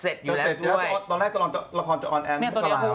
ตอนแรกราคว์มันจะบุธดี